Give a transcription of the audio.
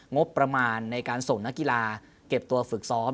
งบประมาณในการส่งนักกีฬาเก็บตัวฝึกซ้อม